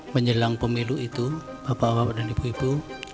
menjelang pemilu itu bapak bapak dan ibu ibu